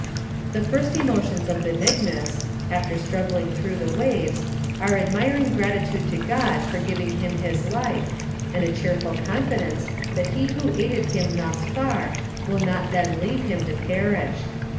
The first emotions of Benignus, after struggling through the waves, are admiring gratitude lo God for giving him his life, and a cheerful confidence that he wno had aided him thus far, would not then leave him to perish.